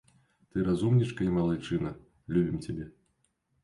Ты разумнічка і малайчына, любім цябе.